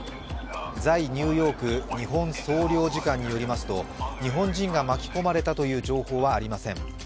在ニューヨーク日本総領事館によりますと日本人が巻き込まれたという情報はありません。